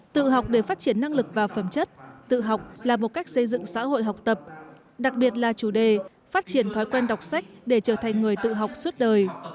tự học để phát triển năng lực và phẩm chất tự học là một cách xây dựng xã hội học tập đặc biệt là chủ đề phát triển thói quen đọc sách để trở thành người tự học suốt đời